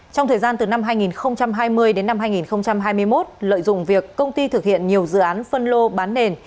trong thời gian từ năm hai nghìn hai mươi đến năm hai nghìn hai mươi một lợi dụng việc công ty thực hiện nhiều dự án phân lô bán nền